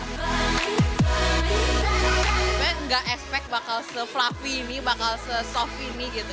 kayaknya nggak expect bakal se fluffy ini bakal se soft ini gitu